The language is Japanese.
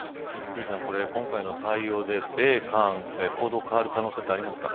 瑠麗さん、今回の対応で米韓の行動が変わる可能性はありますか。